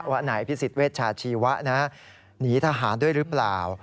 ว่านายพิสิทธเวชาชีวะหนีทหารด้วยหรือเปล่า